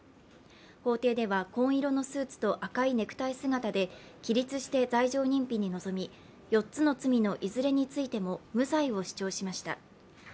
法廷では紺色のスーツと赤いネクタイ姿で起立して罪状認否に臨み、４つの罪のいずれについても無罪を主張しました。